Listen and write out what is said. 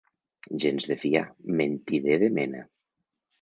Gens de fiar, mentider de mena.